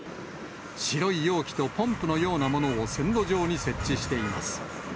白い容器とポンプのようなものを線路上に設置しています。